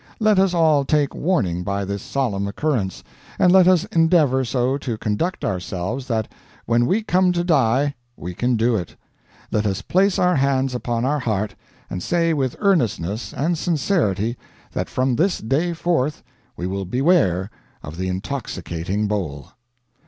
Let us all take warning by this solemn occurrence, and let us endeavor so to conduct ourselves that when we come to die we can do it. Let us place our hands upon our heart, and say with earnestness and sincerity that from this day forth we will beware of the intoxicating bowl.